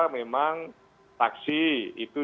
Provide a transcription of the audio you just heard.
memang taksi itu